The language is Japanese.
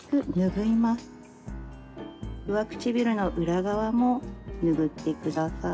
上唇の裏側も拭ってください。